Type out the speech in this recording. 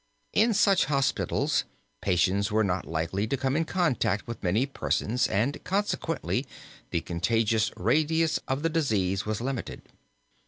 In such hospitals patients were not likely to come in contact with many persons and consequently the contagion radius of the disease was limited.